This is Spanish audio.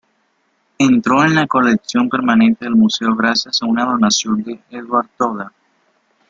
Entró en la colección permanente del museo gracias a una donación de Eduard Toda.